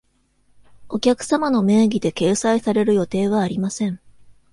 お客様の名義でで掲載される予定はありません。